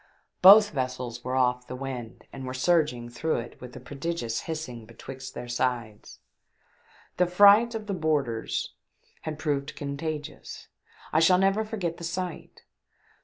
Both vessels were off the wind and were surging through it with a prodigious hissing betwixt their sides. The fright of the boarders had proved contagious. I shall never forget the sight